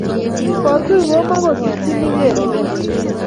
kotuii komakosikyini keree kei